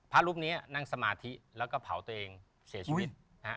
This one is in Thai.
พระรูปนี้นั่งสมาธิแล้วก็เผาตัวเองเสียชีวิตนะฮะ